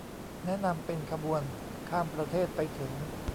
แนะนำเป็นขบวนข้ามประเทศไปถึง